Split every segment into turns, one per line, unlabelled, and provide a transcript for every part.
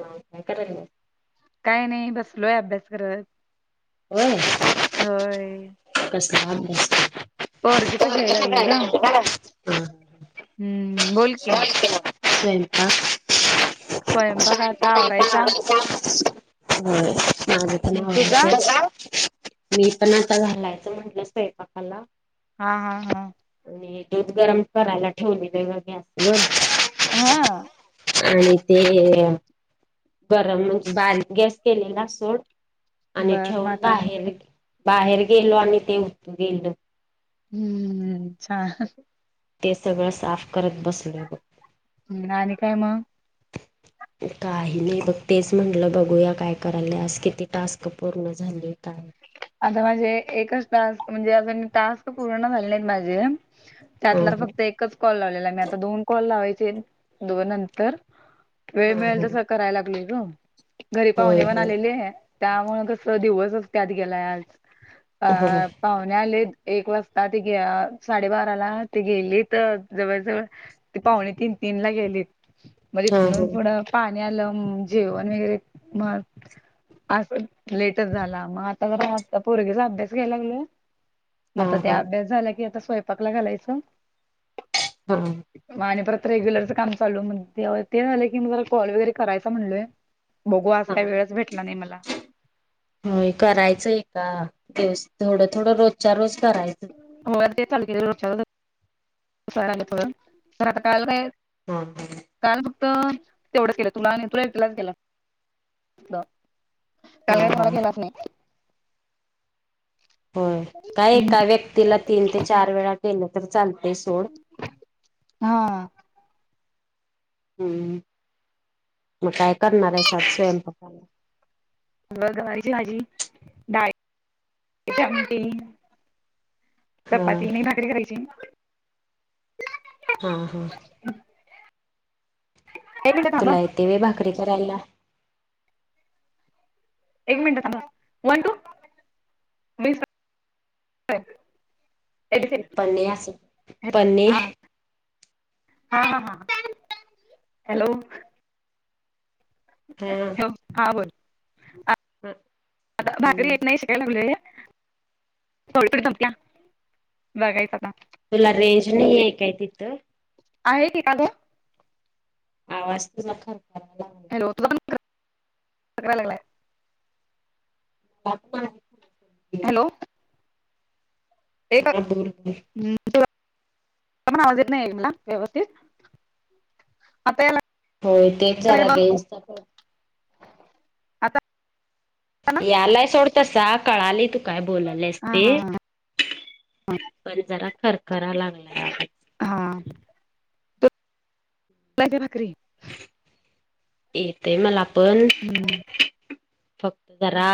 हो का कररा.
काय नाही बसलोय अभ्यास करत.
हम.
होय.
कस कसत.
पोरगीचा घ्यायला लागलोय ग हम्म बोल क
[unintelligible]
स्वयं बघ आता आवरायचा.
हो माझ-
हम्म, तुझा
मी पण आता झालायचं म्हंटलंचय पाकाला.
हा हा हा.
आणि दूध गरम करायला ठेवले ज ग गॅस ब
हा
आणि ते. गरम म्हणजे बाारी गॅस केलेला सोड आणि
बर मग
ठेवून
आता
बाहेर बाहेर गेलो आणि ते उठ गेलो.
हम्मच्छा.
ते सगळं साफ करत बसले बघ.
ह् आणि काय मग.
काय? नाही बघ तेच म्हटलं बघूया काय करायला आज किती टास्क पूर्ण झाले काय?
आता माझे एकच टास्क म्हणजे अून टास्क पूर्ण झालेलेत माझे.
हा
त्यातला
ह
फक्त एक. एकच कॉल लावलेला मी आता दोन कॉल लावायचे दोन नंतर वेळ
हा
मिळेल
ह
तर स करा लाग घरी पाह
होय
पण आ
होय
त्या कस दिवस गेलाय आज अ
होय
पाहुणे आले एक वाजता ते साडेबाराला ते गेलेत जवळजवळ त पाहुणे तीन तीन ला गेलीत मज
हा ह
नोन पन पाण्या आलंम जेवण वगैरे मग अस लेटर झाला मग त्या पोरंगीचा अभ्यास घ्यायला लागलोय म
हा
आता ते
हा
अभ्यास झाला की आता स्वय पाकला घालायचं
ह्
म आणि परत रेग्युलरचं काम चालू म ते ते झालं की म जरा कॉल वगैरे करायचा म्हणलोय, बघू आज
हा
काय वेळच भेटला नाही मला‍,
होय करायचं आहे का दिवस थोडं थोडं रोजच्या रोज करायचं
होर ते ल सारट
हम ह
काल फक्त तेवढं केलं तुला आणि तु तिलाच गला
हा
का
हा हा
तला केलात नाही
हो काय एका व्यक्तीला तीन ते चार वेळा केलं तर चालते सोड
हा
हम्म मग काय करणार आहे सात स्वयंपाकाला
अ गवारीची भाजी डाळी चमटी
हा
चपाती नाही भाकडी खरायची
हा हा
तेकडे खांबा
तुला येते वे भाकरी करायला
एक मिनट सज वन टू ऐ दिदी
पन्नी अस पन्नी
[inaudible] हा हा हा हॅलो
हा
हो हा बोल आता भाकरी
हम्म
येत नाही शिका बघाय लागलोय [inaudible] बघायचं आता
तुला रेंज नाही आहे काय
आहे की का गं,
आवाज तूझा खरखरोत्य करा
हॅलो तूझा पण खरखरा लागल्या आहे.
बागतोय
हॅलो एक
हा बोल बोल
हम् तूझा पण आवाज येत नाही गं मला व्यवस्थित
होय तेच जरा
लागलाय बघ.
रेंज च्या प्रोब्लेम आहे.
आता ना
यायलाय सोड तसा कळालंय तू काय बोलालेस
हा
ते
हा
पण जरा खरखरा लागलाय, आवाज
हां तू तूला येतीया भाकरी?
येतय मला पण
[unintelligible]
फक्त जरा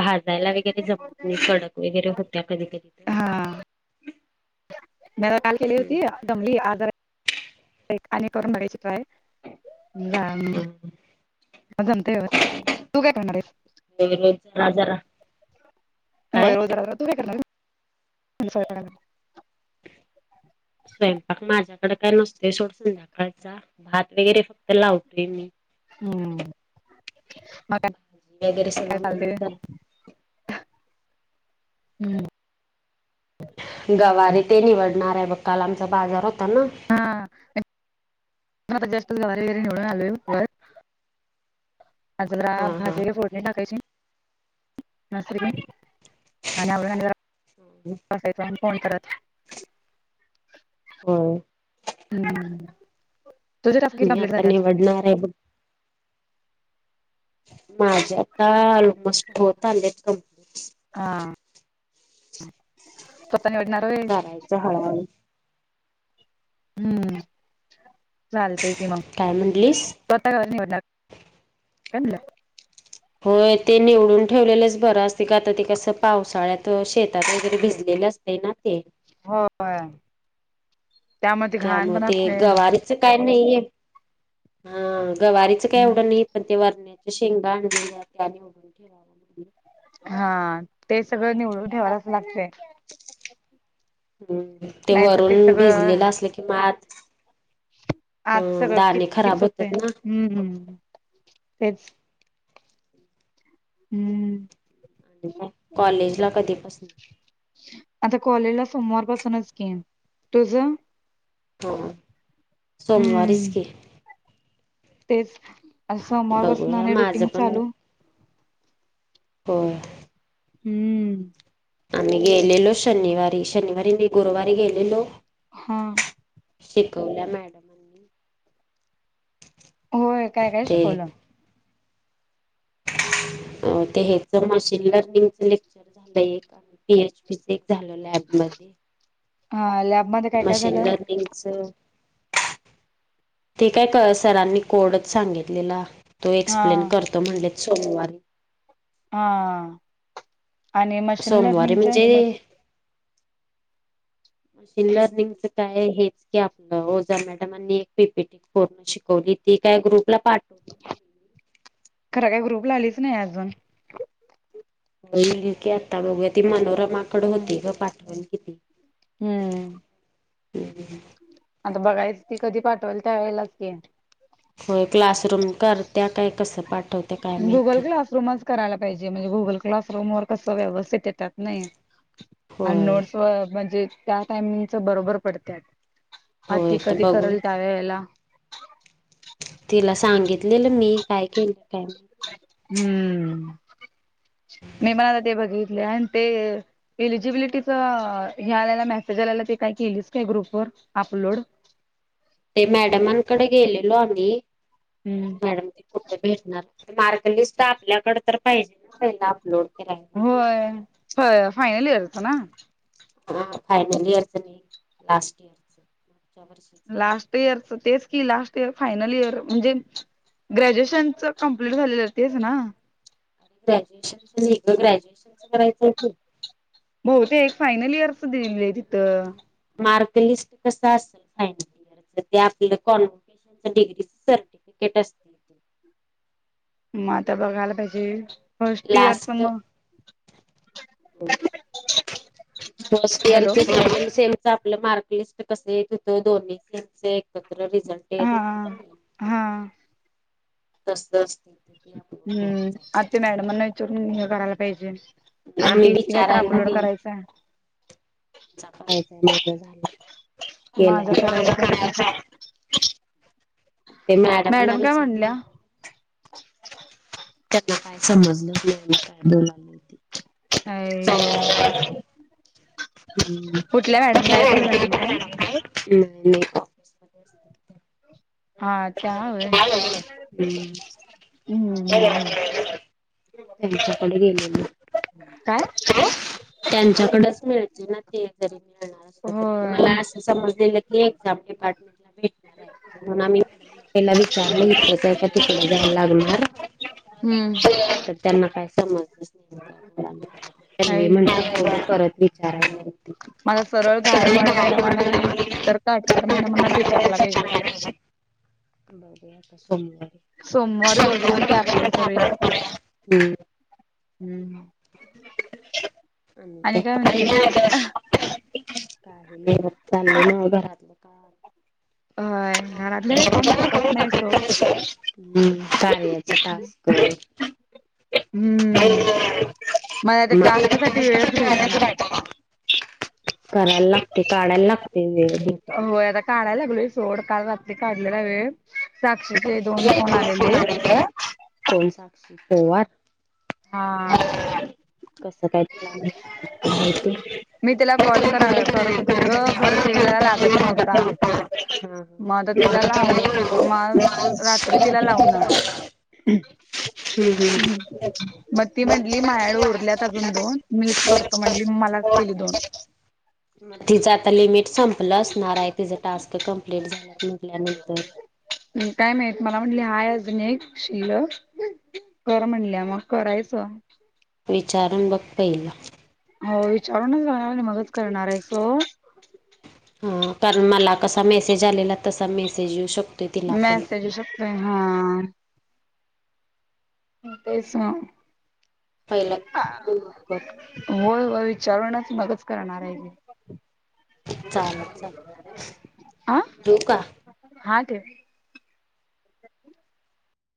भाजायला वगैरे जमत नाही सडक वगैरे होत्या कधी
हा.
कधी
मी जरा काल केली
हम्म
होती जमली आज जरा आणि करून बघायची ट्राय जा म
हम्म.
जमतेय होय तू काय खाणार आहेस
होय घे लई त्रास झाला,
होय रोज जरा जरा तू काय करणार आहीस?
स्वयंपाक माझ्याकडे काय नसतोय सोड संध्याकाळचा भात वगैरे फक्त लावतोय मी,
हम्म मग
भाजी वगैरे
काय काय
सगळं मम्मी
चाललंय,
कर
हम्म्
गवारीे ते निवडणार आहे बघ काल आमचा बाजार होता नव्हं,
हा मी पण आता जस्ट गवारी बवारी निवडून आलोय वर आता जरा
हा हा
भाजी फोडणी-‍- डणी टाकायची आणि खाली जाऊन आणि आवरून जरा
[unintelligible]
टाकायचा आणि फोन करायचा.
हो
हम्म दुझ टफि कमप्लीट झाल्यात
पडणार आहे माझे आता ऑलमोस्ट होत आले क
हां स्वतः निवडणार होय
करायचं हळूहळू,
हम्म चालतंय कि
काय म्हणलीस?
स्वतः निवडल्यास म्हणंल,
होय ते निवडून ठेवलेलंच बर असतंय क आता ते पावसाळ्यात तर शेतात वगैरे भिजलेले असतंय ना ते
होय त्यामध्ये घाण
त्यामुळे
पण असते-‍-
ते गवारीचं काय नाही घे हा गवारीचं काही एवढं नाही पण ते वरण्याच्या शेंगा आणलेल्या त्या आणि चिरा [unintelligible]
हा ते सगळं निवडून ठेवायलाच लागते
हम् ते
नाहीतर
वरून
सगळं
भेजलेलं असलं की मात
आज सगळं कितकीच होते
होतात ना
हम्म हम् तेच हम्म
आणि मग कॉलेज ला कधी पस
आता कॉलेजला सोमवार पासूनच घे तुझ
ह सोमवारीच
हम्म
की
तेच सोमवार पासन
बघूया
आणि
माझं
रुटीन चालू
हो
हम्म
आम्ही गेलेलो शनिवारी शनिवारी म गुरुवारी गेलेलो
हा
शिकवला मॅडम
होय काय काय
ते
शिकवलं
हो ते हच मशीन लर्निंगच लेक्चर पी एची एक झालो लॅबमध्येध्ये
हाल्या
मशीन लर्निंगस ते काय क सरांनी कोडच सांगितलेला तो
हा
एक्सप्लेन करत त म्हणले सोमवारी
हा आणि मशीन
सोमवारी
लर्निंगच
म्हणजे मशीन लर्निंगचं काय हेच की आपलं ओझा मॅडम आणि एक पीपीटी पूर्ण शिकवली ती काय ग्रुपला पाठव
खरं काय ग्रुप ला आलीच नाही अजून
हो की आता बघू ती मनोरमाकड होती ग पाठवण ती
हम्म
हम्
आता बघायच ती कधी पाठवाल त्यावेेळेलाच घे
होय क्लासरूम कर त्या काय कसं पाठवत्या काय माहिती
रूमच करायला पाहिजे म्हणजे गुगल क्लास रूम वर कस व्यवस्थित येतात नाही आणि
होय
नोट्स व म्हणजे त्या टाइमिंगच बरोबर पडत आ ति
होय तर
कधी
बघू
करल त्यावे्या याला
तिला सांगितलेलं मी काय केलं काय माहिती
हम्म मी पण आता ते बघितले आणि ते एलिजिबिलिटीच ह्यावेळेला मेसेज आल्याला ते काय केलीस काय ग्रुप वर अपलोड
ते मॅडमांकडे गेलेलो आम्ही मॅडम ते कुठे भेटणार मार्कलिस्ट आपल्याकडे तर पाहिजे ना पहिला अपलोड करायला
होय फ फायनल इयरच ना
हा फायनल इयरच नाही लास्ट इयर च मागच्या वर्षी
लास्ट इयर तेच कि लास्ट इयर फायनल इयर म्हणजे ग्रॅज्युएशनच कमप्लीट झालेलं तेच ना
ग्रॅज्युएशनं ग्रॅज्युएशनचं करायचं
बहते एक फायनल इयरच दिली तिथं
मार्कलिस्ट कस असेल फायनल इयरच ते आपलं कॉन डिग्री सर्टिफिकेट असत
मग आता बघायला पाहिजे फर्स्ट इयर प मग
फस्ट इअर
हॅलो
चे आपलं मार्क लिस्ट कसं येत हों दोन्ही स त रिझल्टेत
हा हा
तस ते अपलोड
हम्म
करायचंय
आता मॅडमांना विचारून हे करायला पाहिजे आणि
आम्ही
टीसीला तर
विचारायला
अपलोड करायचं हाय
केलाय
माझं करायचं आहे
झालं ते मॅडमांना
मॅडम काय
विचारलं
म्हणल्या
त्यांना काय समजलेच नाही मी काय बोलालोय ते
अय्यो मॅडम गायकवाड मॅडम काय
हम्
हा त्या होय हम्म हम्म हम्म
हम्म त्यांच्याकडे गेले ना
काय
हो त्यांच्याकडचं मिळतेना ते जरी मिळणार असलं तरी
होय
मला अस समजलेलं की एक्झाम डिपार्टमेंटला भेट म्हणून आम्ही त्याला विचारलं इथेच आहे का तिकडे जायाला लागणार
हम्म
तर त्यांना काही समजलंच नाही त्यांनी
आई
म्हटलीत परत परत विचारायचं नाही
म आता सरळ गायकवाड मॅडमानां नाहीतर काटकर मॅडमानांच विचार चारला पाहिजे
बरं आता सोमवारी
सोमवारी बघूया आणि ते अपलोड करूया
बघु
हम्म
हम् आणि काय, काही नाही बघ चाललंय नव्हं घरात का
होय घरातलं काय काम सपत नाही सोड.
[unintelligible] कर [unintelligible]
हम्म मला त्या टास्कसाठी वेळच भेटना.
करायला लागते काढायला लागते वेळ हे
होय आता काढायला लागलोय सोड काल रात्री काढलेला वेळ साक्षीचे दोन फोन आलेले.
कोण साक्षी पोवार
हा
कसं काय तिला
मी त्याला
तुझ
कॉल
काय
कर करत होते
माहिती
गं खरं त्याला लागत नव्हता मग आता तिला लाव मग
हं
रात्री तिला
हम्
हम् मग ती म्हटली माह्याकडं उरल्यात अजून दोन मीच करतो तर म्हणली मलाच केली दोन
मग तिचं आता लिमिट संपलं असणारय तिचं आता टास्क कंमप्लीट झालं ल्यात म्हटल्यानंतर
काय माहित. मला म्हटली हाय अजून एक शील्लक कर म्हणल्यीया मग करायचं [inaudible]
विचारून बघ पहिला
हो विचारूनच बघणार, [unintelligible] मगच करणारय सो
हा, कारण मला कसा मेसेज आलेला तसा मेसेज येऊ शक
मॅसेज येऊ शकतोय हा हं तेच ना
पहिला विचारून बघ मग कर
होय होय विचारूनच मगच करणारय मी
चालेल चालेल
[inaudible] आ!
ठेवू का?
हा ठेव